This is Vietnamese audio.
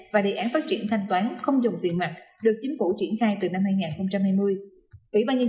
và đề án phát triển thanh toán không dùng tiền mặt được chính phủ triển khai từ năm hai nghìn hai mươi